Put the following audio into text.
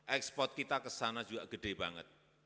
ekspor kita ke sana juga gede banget